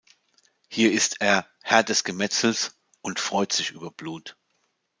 Hier ist er „Herr des Gemetzels“ und „freut sich über Blut“.